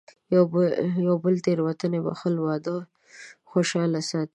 د یو بل تېروتنې بښل، واده خوشحاله ساتي.